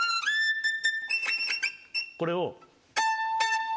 これを。